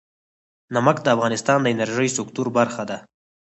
نمک د افغانستان د انرژۍ سکتور برخه ده.